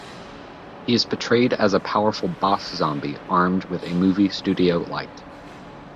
He is portrayed as a powerful "boss" zombie armed with a movie studio light.